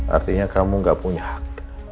artinya kamu gak punya hak